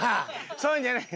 そういうんじゃない。